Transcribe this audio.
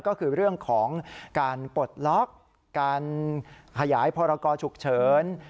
ก็คือเรื่องของการปลดล็อกการขยายพรกรฉุกเฉิน